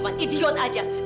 kamu gak cuma idiot